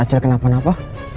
acil jangan kemana mana